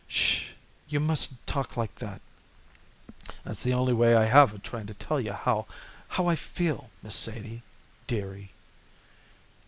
'"Shh h h! You mustn't talk like that." "That's the only way I have of trying to tell you how how I feel, Miss Sadie dearie."